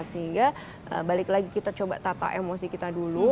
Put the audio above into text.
sehingga balik lagi kita coba tata emosi kita dulu